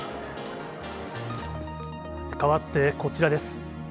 変わってこちらです。